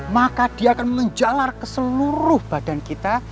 maka dia akan menjalar ke seluruh badan kita